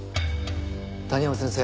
谷浜先生